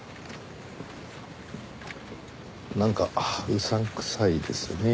なんかうさんくさいですね。